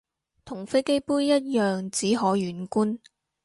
同飛機杯一樣只可遠觀